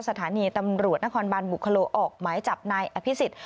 สถานีตำรวจนครบันบุคโลออกหมายจับนายอภิษฎ